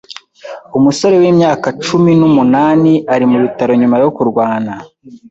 Umusore wimyaka cumi numunani ari mubitaro nyuma yo kurwana.